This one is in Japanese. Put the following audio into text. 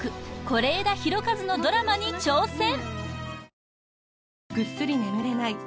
是枝裕和のドラマに挑戦